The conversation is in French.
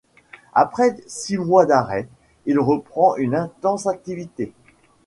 Après six mois d’arrêt, il reprend une intense activité.